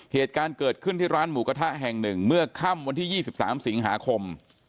เหตุการณ์เกิดขึ้นที่ร้านหมูกระทะแห่งหนึ่งเมื่อค่ำวันที่๒๓สิงหาคม